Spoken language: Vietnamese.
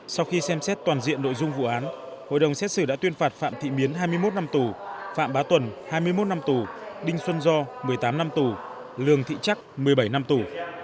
sau khi xem xét toàn diện nội dung vụ án hội đồng xét xử đã tuyên phạt phạm thị miến hai mươi một năm tù phạm bá tuần hai mươi một năm tù đinh xuân do một mươi tám năm tù lường thị trắc một mươi bảy năm tù